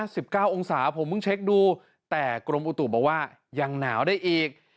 สิบเก้าองศาผมเพิ่งเช็คดูแต่กรมอุตุบอกว่ายังหนาวได้อีก